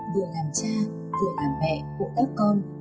vừa làm cha vừa làm mẹ của các con